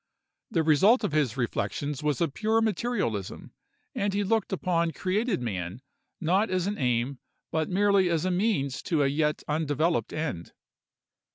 The result of his reflections was a pure materialism; and he looked upon created man, not as an aim, but merely as a means to a yet undeveloped end.